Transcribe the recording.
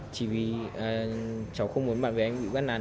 chỉ vì cháu không muốn bạn với anh bị bắt nàn